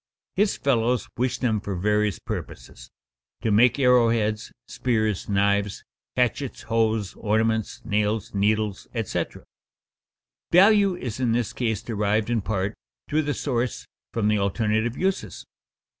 His fellows wish them for various purposes: to make arrow heads, spears, knives, hatchets, hoes, ornaments, nails, needles, etc. Value is in this case derived in part, through the source, from the alternate uses.